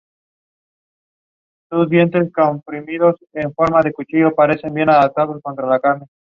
Como los demás vencejos pasa la mayor parte del año volando sin posarse.